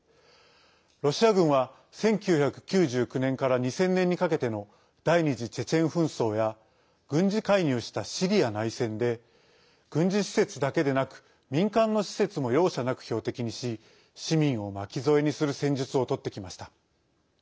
ロシア軍は、１９９９年から２０００年にかけての第二次チェチェン紛争や軍事介入したシリア内戦で軍事施設だけでなく民間の施設も容赦なく標的にし市民を巻き添えにする戦術をとってきました。